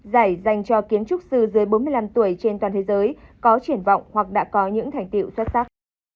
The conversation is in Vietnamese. giải dành cho kiến trúc sư dưới bốn mươi năm tuổi trên toàn thế giới có triển vọng hoặc đã có những thành tiệu xuất sắc